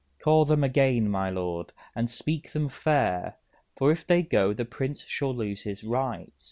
_ Call them again, my lord, and speak them fair; For, if they go, the prince shall lose his right.